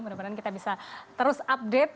mudah mudahan kita bisa terus update